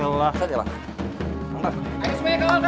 ustadz ya bang